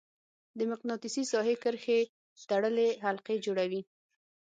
د مقناطیسي ساحې کرښې تړلې حلقې جوړوي.